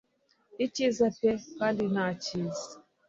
Icyiza pe kandi nta cyiza: